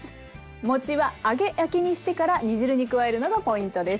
餅は揚げ焼きにしてから煮汁に加えるのがポイントです。